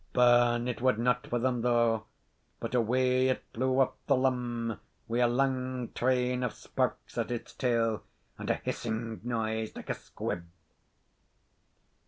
Burn it would not for them, though; but away it flew up the lum, wi' a lang train of sparks at its tail, and a hissing noise like a squib.